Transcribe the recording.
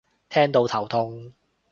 聽到頭痛